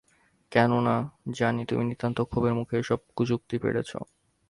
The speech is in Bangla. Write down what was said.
কেননা, জানি তুমি নিতান্ত ক্ষোভের মুখে এই সব কুযুক্তি পেড়েছ।